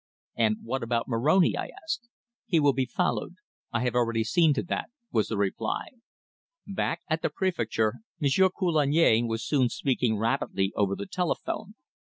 "And what about Moroni?" I asked. "He will be followed. I have already seen to that," was the reply. Back at the Prefecture Monsieur Coulagne was soon speaking rapidly over the telephone.